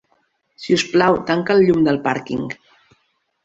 Si us plau, tanca el llum del pàrquing.